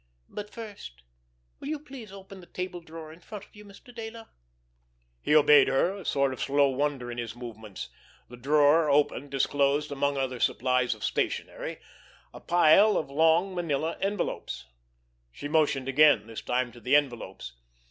"But first, will you please open the table drawer in front of you, Mr. Dayler." He obeyed her, a sort of slow wonder in his movements. The drawer, open, disclosed, among other supplies of stationery, a pile of long, manila envelopes. She motioned again—this time to the envelopes.